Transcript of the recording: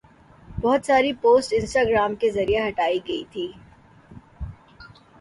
بہت ساری post Instagram کے ذریعہ ہٹائی گئی تھی